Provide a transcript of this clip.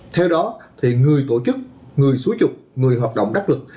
theo đó thì người tổ chức người xuất trục người hoạt động đắc lực